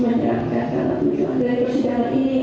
menyeramkan karena tujuan dari persidangan ini